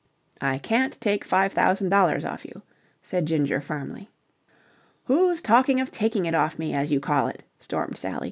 "I can't take five thousand dollars off you," said Ginger firmly. "Who's talking of taking it off me, as you call it?" stormed Sally.